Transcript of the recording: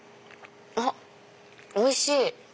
あっおいしい！